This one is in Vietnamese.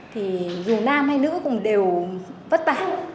thì dù nam hay nữ cũng đều vất vả